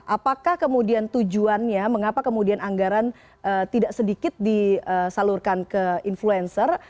apakah kemudian tujuannya mengapa kemudian anggaran tidak sedikit disalurkan ke influencer